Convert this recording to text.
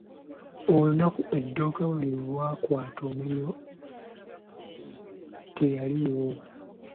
Olunaku edduuka lwe lyakwata omuliro teyaliiwo.